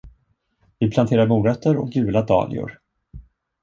Vi planterar morötter och gula dahlior.